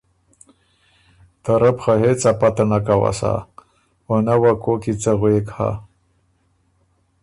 ته رۀ بو خه هېڅ ا پته نک اؤسا او نۀ وه کوک کی څه غوېک هۀ